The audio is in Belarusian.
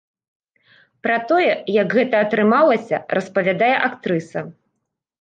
Пра тое, як гэта атрымалася, распавядае актрыса.